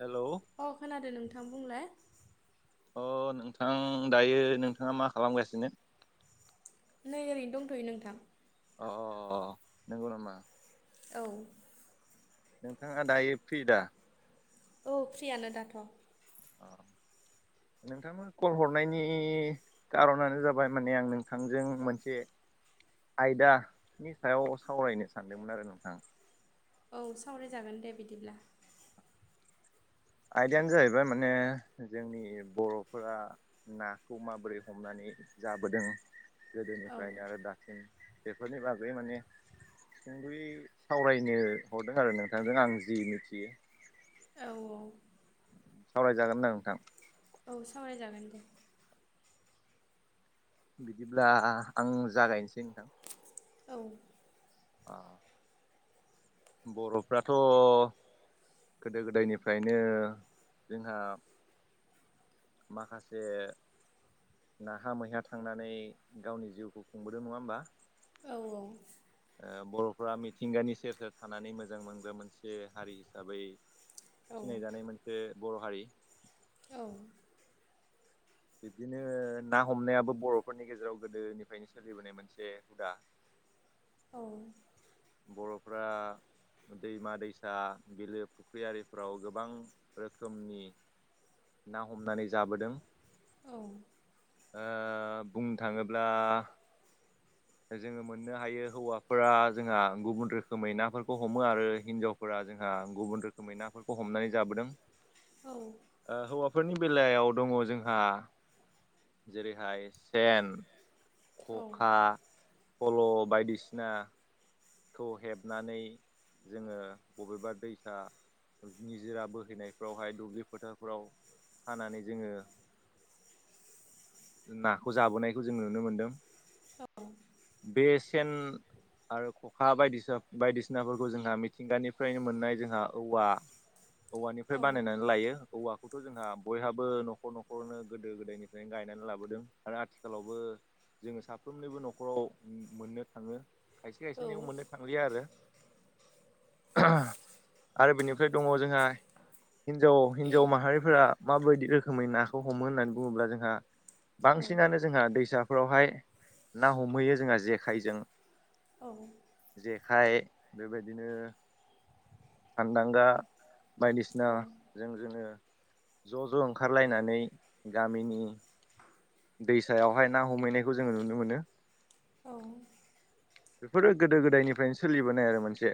Hello अ खोनादों नोंथां बुंलाय अ नोंथां दायो नोंथाङा मा खालामगासिनो नै ओरैनो दंथ'यो नोंथां अ अ नंगौ नोंथां औ। नोंथाङा दायो फ्रि दा औ फ्रियानो दाथ' औ नोंथां कल हरनायनि खार'नानो जाबाय माने आं नोंथांजों मोनसे आयदानि सायाव सावरायनो सानदोंमोन आरो नोंथां औ सावरायजागोन दे बिदिब्ला आयदायानो जाहैबाय माने जोंनि बर'फोरा नाखौ माबोरै हमनानै जाबोदों औ गोदोनिफ्रायनो आरो दासिम बेफोरनि बागै माने जोंबो सावरायनो हरदों आरो नोंथांजों आं जि मिथियो औ औ सावरायजागोनदां नोंथां। औ सावरायजागोन दे। बिदिब्ला आं जागायनोसै नोंथां। औ। अ बर'फ्राथ गोदो गोदायनिफ्रायनो जोंहा माखासे नाहा मैहा थांनानै गावनि जिउखौ खुंबोदों नङा होमबा। औ औ। बरफ्रा मिथिंगानि सेर सेर थानानै मोजां मोनग्रा मोनसे हारि हिसाबै। औ सिनायजानाय मोनसे बर' हारि औ बिदिनो ना हमनायाबो बरफोरनि गेजेराव गोदोनिफ्रायनो सोलिबोनाय मोनसे हुदा। [inaudible] [inaudible] ओ दैमा दैसा बिलो फुख्रिफ्राव गोबां रोखोमनि ना हमनानै जाबोदों। औ। बुंनो थाङोब्ला। जोङो मोननो हायो हौवाफोरा जोंहा गुबुन रोखोमै नाफोरखौ हमो आरो हिनजावफोरा जोंहा। गुबुन रोखोमै नाफोरखौ हमनानै जाबोदों। औ। बेफोरनि बेलायाव दङ जोंहा जेरैहाय सेन खखा फल' बायदिसिना। खौ हेबनानै जोङो बबेबा दैसा निजोरा बोहैनायफ्रावहाय दुब्लि फोथारफ्राव सानानै जोङो नाखौ जाबोनायखौ जों नुनो मोनदों। बे सेन आरो खखा बायदि बायदिसिनाफोरखौ जोंहा मिथिंगानिफ्रायनो मोननाय जोंहा औवा। [unintelligible] औवानिफ्राय बानायनानै लायो औवाखौथ' जोंहा बयहाबो न'खर न'खरनो गोदो गोदायनिफ्रायनो गाय नानै लाबोदों आरो आथिखालावबो जोङो साफ्रोमनिबो न'खराव मोननो थाङो। खायसे खायसेनियाव मोननो थांलिया आरो आरो बेनिफ्राय दङ जोंहा हिनजाव हिनजाव माहारिफोरा माबायदि रोखोमै नाखौ हमो होननानै बुङोब्ला जोंहा। बांसिनानो जोंहा दैसाफोरावहाय ना हमहैयो जोंहा जेखाइजों। औ। जेखाइ बेबायदिनो फान्दांगा बायदिसिना जों जोङो ज' ज' ओंखारलायनानै गामिनि दैसायावहाय ना हमहैनायखौ जोङो नुनो मोनो। औ। बेफोरो गोदो गोदायनिफ्रायनो सोलिबोनाय आरो मोनसे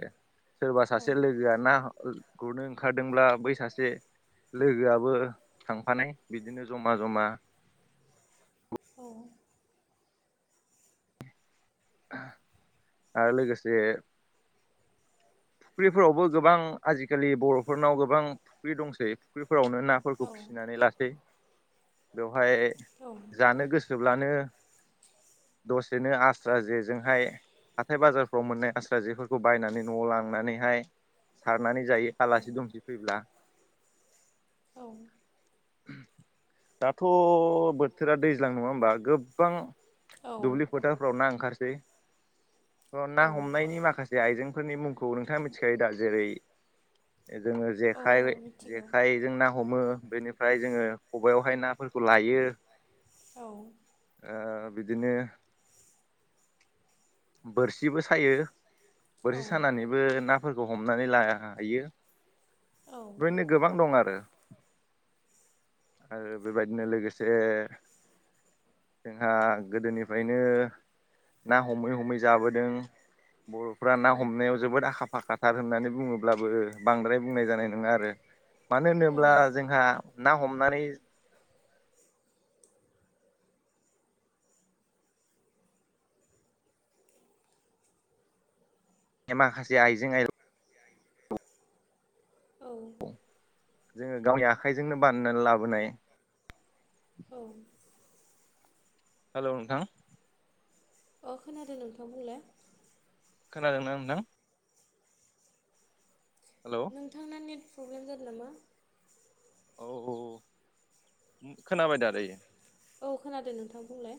सोरबा सासे लोगोआ ना गुरनो ओंखारदोंब्ला बै सासे लोगोआबो थांफानाय बिदिनो जमा जमा औ आरो लोगोसे फुख्रिफोरावबो गोबां आजिखालि बर'फोरनाव गोबां फुख्रि दंसै फुख्रि फोरावनो नाफोरखौ फिसिनानै लासै बेयाव हाय जानो गोसोब्लानो दसेनो आ स्रा जे जोंहाय हाथाय बाजारफ्राव मोननाय आस्रा जेफोरखौ बायनानै न'आव लांनानैहाय सारनानै जायो आलासि दुमसि फैब्ला औ दाथ' बोथोरा दैज्लां नङा होमबा गोबां दुब्लि फोथारफ्राव ना ओंखारसै औ ना औ हमनायनि माखासे आइजें फोरनि मुंखौ नोंथाङा मिथिखायो दा जेरै जोङो जेखाइ औ मिथिगौ जेखाइजों ना हमो बेनि फ्राय जोङो खबायावहाय नाफोरखौ लायो औ ओ बिदिनो बोरसिबो सायो औ बोरसि सानानैबो ना फोरखौ हमनानै लायो औ बेदिनो गोबां दं आरो आरो बेबायदिनो लोगोसे जोंहा गोदोनिफ्रायनो ना हमै ह मैं जाबोदों बर'फ्रा औ ना हमनायाव जोबोद आखा फाखाथार होननानै बुङोब्लाबो बांद्राय बुंनाय जानाय नङा आरो मानो औ होनोब्ला जोंहा ना हमनानै माखासे आइजें आय औ जोङो गावनि आखाइजोंनो बानायनानै लाबोनाय औ हेल' नोंथां अ खोनादों नोंथां बुंलाय। खोनादोंना नोंथां। हेलौ नोंथांना नेट प्रब्लेम जादों नामा। औ खोनाबाय दा दायो। औ खोनादों नोंथां बुंलाय।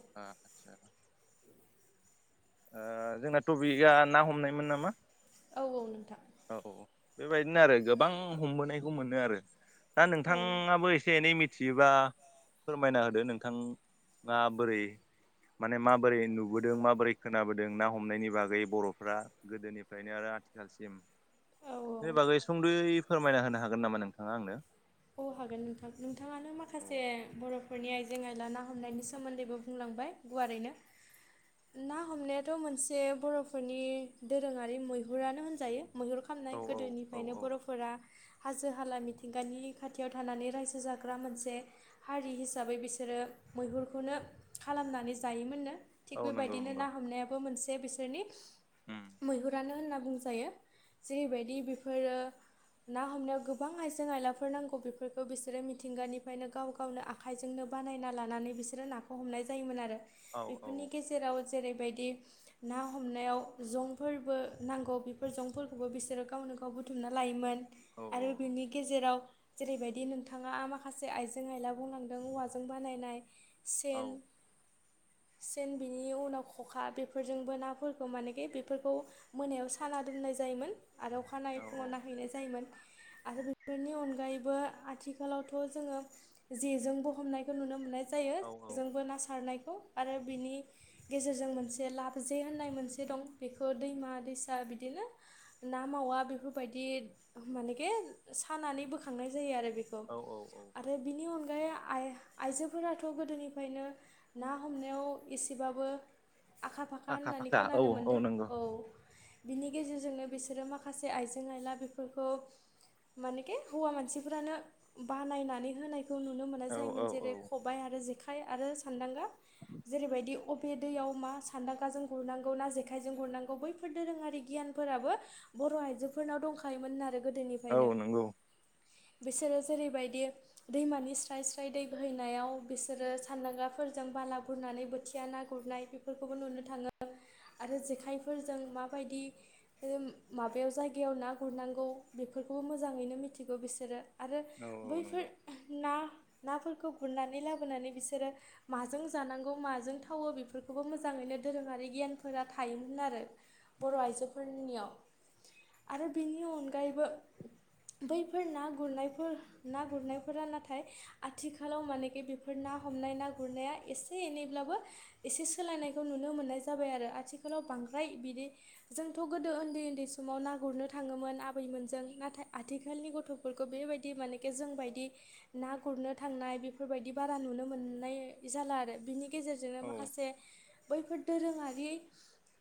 ओ जोंना टपिकआ ना हमनायमोन नामा। औ औ नोंथां। औ बेबायदिनो आरो गोबां हमबोनायखौ मोनो आरो। दा औ नोंथाङाबो एसे एनै मि थियोबा फोरमायना होदो नोंथां‌आ बोरै। माने माबोरै नुबोदों माबोरै खोनाबोदों ना हमनायनि बागै बर'फ्रा गोदोनिफ्रायनो आरो। आथिखालसिम औ सोर बागै सुंद'यै फोरमायना होनो हागोन नामा नोंथाङा आंनो। औ हागोन नोंथां नोंथाङानो औ माखासे बर'फोरनि आइ। जें आइला ना हमनायनि सोमोन्दैबो बुंलांबाय गुवारैनो। ना हमनायाथ' मोनसे बर'फोरनि दोरोङारि मैहुरानो होनजायो। मैहुर खालामनाय औ औ औ गोदोनिफ्रायनो औ बर'फोरा हाजो हाला मिथिंगानि। खाथियाव थानानै रायजो जाग्रा मोनसे हारि हिसाबै बिसोरो मैहुरखौनो खालाम खालामनानै जायोमोननो। थिग औ नंगौ बेबायदिनो नंगौ ना हमनायाबो मोनसे बिसोरनि उम मैहुरानो होनना। बुं जायो जेरैबायदि बेफोरो ना हमनायाव गोबां आइजें आइलाफोर नांगौ। बेफोरखौ बिसोरो मिथिंगानिफ्रायनो गाव गावनो आखाइजोंनो बानायना लानानै बिसोरो नाखौ हमनाय जायोमोन आरो। औ औ बेफोरनि गेजेराव। जेरैबायदि ना हमनायाव जंफोरबो नांगौ बेफोर जंफोरखौबो बिसोरो गाव। गावनो गाव बुथुमना लायोमोन औ आरो बिनि गेजेराव। जेरैबायदि नोंथाङा आ माखासे आइजें आइला बुंलांदों औवाजों बानायनाय। औ सेन। [inaudible] सेन बिनि उनाव खखा बेफोरजोंबो नाफोरखौ मानेखि बेफोरखौ मोनायाव साना दोननाय जायोमोन। आरो अखानायै औ फुङाव नायहैनाय जायोमोन आरो बेफोरनि अनगायैबो। बो आथिखालावथ' जोङो जेजों बो हमनायखौ नुनो मोननाय। जायो औ बेजोंबो ना सारनाय। खौ आरो बिनि गेजेरजों मोनसे लाब जे होननाय मोनसे दं बेखौ दैमा दैसा। बिदिनो ना मावा बेफोरबायदि मानेे सानानै बोखार थांनाय जायो आरो बेखौ औ औ औ आरो बिनि अनगायै। आइ आइजोफोराथ' गोदोनिफ्रायनो ना हमनायाव एसेबाबो। आखा फाखा होननानै खोनानो मोनदों औ। बिनि गेजेरजोंनो बिसोरो माखासे आइजें आइला बेफोरखौ मानेखि हौवा मानसिफ्रानो बानायनानै होनायखौ नुनो मोना औ जायोमोन औ औ जेरै खबाइ आरो जेखाय। आरो सानदांगा जेरैबायदि उप बे दैयाव मा सान्दाखाजों गुरनांगौ ना जेखायजों गुरनांगौ बैफोर दोरोङारि गियानफोराबो। बर' आइजोफोरनाव दंखायोमोन आरो गोदोनिफ्रायनो। औ नंगौ बिसोरो जेरैबायदि दैमानि स्राय स्राय दै बोहैनायाव बिसोरो सानदांगाफोर। फोरजों बाला गुरनानै बोथिया ना गुरनाय बेफोरखौबो नुनो थाङो। आरो जेखाइफोरजों माबायदि माबायाव जायगायाव ना गुरनांगौ बेफोर। बेफोरखौबो मोजाङैनो मिथिगौ बिसोरो आरो औ बैफोर नंगौ ना। नाफोरखौ गुरनानै लाबोनानै बिसोरो माजों जानांगौ माजों थावो बेफोरखौबो मोजां। थाङैनो धोरोमारि गियानफोरा थायोमोन आरो बर' आइजोफोरनियाव। आरो बेनि अनगायैबो। बैफोर ना गुरनायफोर ना गुरनायफोरा नाथाय आथिखालाव मानेखि बेफोर ना हम नाय ना गुरनाया एसे एनैब्लाबो एसे सोलायनायखौ नुनो मोननाय जाबाय आरो आथिखालाव बांद्राय बिदि जोंथ' गोदो उन्दै उन्दै समाव ना गुरनो थाङोमोन आबैमोनजों नाथाय आ आथिखालनि गथ'फोरखौ बेबायदि मानेके जोंबायदि ना गुरनो थांनाय बेफोरबायदि बारा नुनो मोननाय जाला आरो बिनि गेजेरजोंनो औ माखासे बैफोर दोरोङारि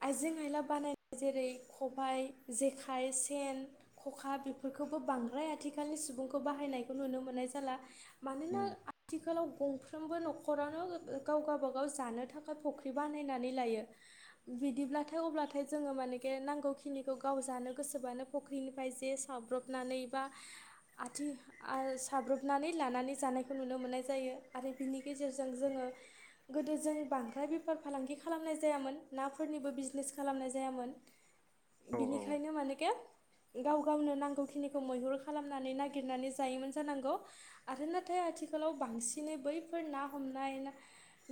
आइजें आइला बानायनाय जेरै खबाइ जेखाइ सेन खखा बे फोरखौबो बांद्राय आथिखालनि सुबुंखौ बाहायनायखौ नुनो मोननाय जाला। औ मानोना आथिखालाव गं फ्रोमबो न'खरावनो गाव गावाब गाव जानो थाखाय फुख्रि बानायनानै लायो बिदि अब्लाथाय जोङो मानेखे नांगौखिनिखौ गाव जानो गोसोबानो फख्रिनिफ्राय जे साब्रबनानै बा आथिं साब्रबनानै लानानै जानायखौ नुनो मोननाय जायो आरो बिनि गेजेरजों जोङो। गोदो जों बांद्राय बेफार फालांगि खालामनाय जायामोन नाफोरनिबो बिजनेस खालामनाय जायामोन। औ नंगौ बिनिखायनो मानेके गाव गावनो नांगौखिनिखौ मैहुर खालामनानै नागिरनानै जायोमोन जानांगौ आरो नाथाय आथिखालाव बांसिनै बैफोर ना हमनाय ना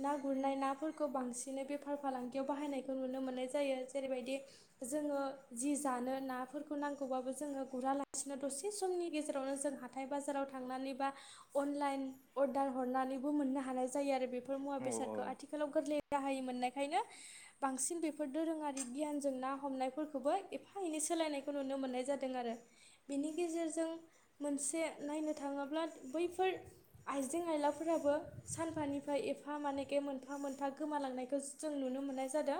ना गुरनाय नाफोरखौ बांसिनै बेफार फालांगियाव बाहायनायखौ नुनो मोननाय जायो जेरैबायदि। जोङो जि जानो नाफोरखौ नांगौबाबो जोङो गुरालासिनो दसे समनि गेजेरावनो जों हाथाय बाजाराव थांनानै बा अनलाइन अर्डार हरनानैबो मोननो हानाय जायो आरो बेफोर मुवा औ बेसादखौ आथिखालाव गोरलै राहाय मोननायखायनो बांसिन बेफोर दोरोङारि गियानजों ना हमनायफोरखौबो एफा एनै सोलायनायखौ नुनो मोननाय जादों आरो। बेनि गेजेरजों मोनसे नायनो थाङोब्ला बैफोर आइजें आइलाफोरा राबो सानफानिफ्राय एफा मानेखे मोनफा मोनफा गोमालांनायखौ जों नुनो मोन्नाय जादों।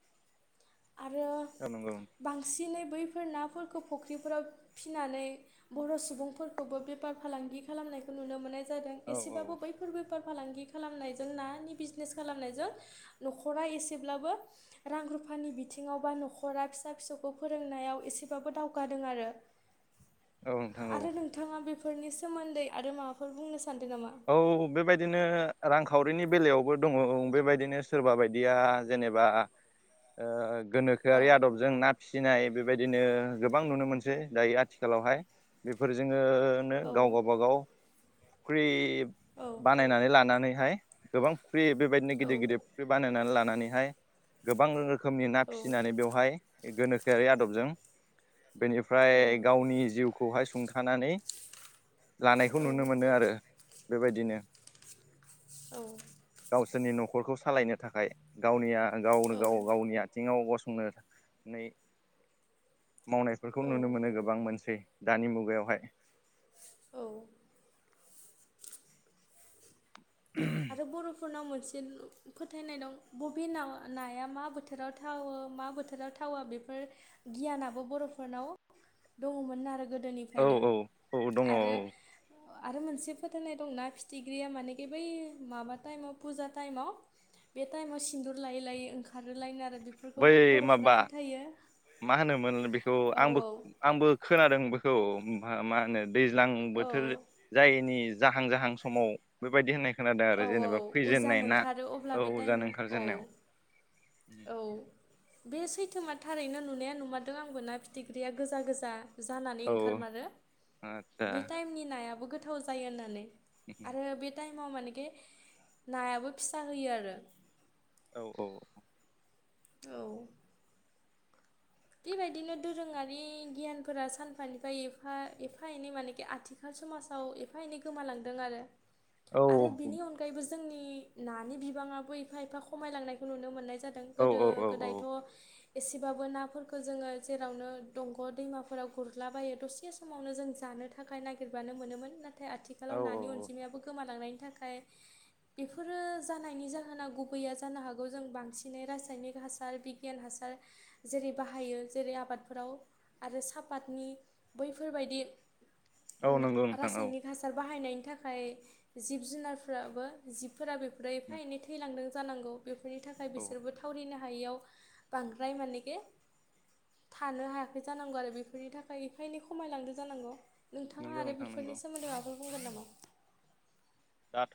[inaudible] आरो औ बांसिनै बैफोर नाफोर खौ फुख्रिफोराव फिसिनानै बर' सुबुंफोरखौबो बेफार फालांगि खालामनायखौ नुनो मोननाय जादों एसेबाबो बैफोरबो बेफार फालांगि खालामनायजों नानि बिजनेस खालामनायजों न'खरा एसेब्लाबो रां रुफानि बिथिङाव बा न'खरा फिसा फिसौखौ फोरोंनायाव एसे बाबो दावगादों औ नोंथां औ आरो नोंथाङा बेफोरनि सो मोन्दै आरो माबाफोर बुंनो सान औ बेबायदिनो रांखावरिनि बेलायाव दङ बेबायदिनो सोरबा बायदिया जेनेबा ओ औ गोनोखोआरि आदबजों ना फिसिनाय बेबायदिनो गोबां नुनो मोनसै दायो आथिखालावहाय बेफोरजों आङो औ गाव गावबा गाव फुख्रि औ बानायनानै लानानै हाय गोबां फुख्रि बेबायदिनो औ गिदिर गिदिर फुख्रि बानायनानै लानानैहाय गोबां रोखोमनि ना औ फिसिनानै बेवहाय गोनोखोआरि आदबजों बेनिफ्राय औ गावनि जिउखौहाय सुंथानानै लानायखौ औ नुनो मोनो आरो बेबायदिनो औ गावसोरनि न'खरखौ सालायनो थाखाय गावनिया गावनो औ गाव गावनि आथिङाव गसं नो नै मावनायफोरखौ औ नुनो मोनो गोबां मोनसे दानि मुगायावहाय। औ आरो बर'फोरनाव मोन से फोथायनाय दं बबे नाया मा बोथोराव थावो मा बोथोराव थावा बे फोर गियानाबो बर'फोरनाव दङमोन आरो। औ गोदोनिफ्रायनो औ औ दङ औ आरो आरो मोनसे फोथायनाय दंना फिथिग्रिया मानेखि बै माबा टाइमाव फुजा टाइमाव बे टाइमाव सिन्दुर लायै लायै ओंखारोलायनो आरो। बै बेफोरखौबो बर'फोरा माबा फोथायो। मा होनोमोन बेखौ औ आंबो औ आंबो खोनादों बेखौ मा होनो? दैज्लां औ बोथोर जायैनि जाहां जाहां समाव बेबायदि होननाय खोनादों औ आरो औ जेनेबा उजान फैजेननाय ना ओंखारो अब्ला औ बे जानो टाइमा औ ओंखारजेननायाव औ बे सैथो मा थारैनो नुनाया नुमारदों आंबो ना फिथिख्रिया गोजा गोजा जानानै औ ओंखारमारो आदसा बे टाइमनि नायाबो गोथाव जायो होननानै। आरो बे टाइमाव मानेखि नायाबो फिसा होयो आरो। औ औ औ बेबायदिनो दोरोङारि गियानफोरा सानफानिफ्राय एफा एफा एनै मानेखि आथिखाल समाजाव एफा एनै गोमालांदों आरो। औ आरो बिनि अनगायैबो जोंनि नानि बिबाङाबो एफा एफा खमायलांनायखौ नुनो मोननाय जायो। जादों औ गोदो औ गोदायथ' एसेबाबो नाफोरखौ खौ जोङो जेरावनो दंग' दैमाफोराव गुरलाबायो दसे समावनो जों जानो थाखाय नागिरबानो मोनोमोन नाथाय आथिखालाव औ नानि औ अनजिमायाबो गोमालांनायनि थाखाय बेफोरो जानायनि जाहोना गुबैया जानो हागौ जों बांसिनै रासायनिक हासार बिगियान हासार जेरै बाहायो जेरै आबादफोराव आरो सापातनि बैफोरबायदि औ नंगौ नोंथां औ रासायनिक हासार बाहायनायनि थाखाय जिब जुनारफ्राबो जिब फोरा बेफोरो एफा एनै थैलांदों जानांगौ बेफोरनि थाखाय औ बिसोरबो थावरिनो हा हायैयाव बांद्राय मानेखे थानो हायाखै जानांगौ आरो बेफोरनि थाखाय एफा एनै खमायलांदो जानांगौ। नोंथाङा नंगौ आरो नोंथां नंगौ बेफोरनि सोमोन्दै माबाफोर बुंगोन नामा? दाथ'